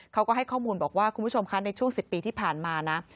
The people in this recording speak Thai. เขาก็ให้ข้อมูลบอกว่าคุณผู้ชมคะในช่วง๑๐ปีที่ผ่านมานะ